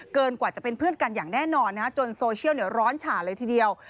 กว่าจะเป็นเพื่อนกันอย่างแน่นอนจนโซเชียลร้อนฉ่าเลยทีเดียว